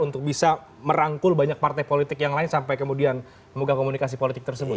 untuk bisa merangkul banyak partai politik yang lain sampai kemudian megah komunikasi politik tersebut